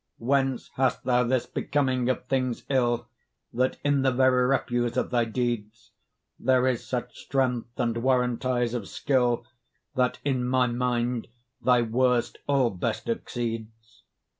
Whence hast thou this becoming of things ill, That in the very refuse of thy deeds There is such strength and warrantise of skill, That, in my mind, thy worst all best exceeds?